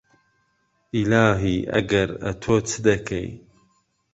ئیلاهی ئەگەر ئەتۆ چدەکەی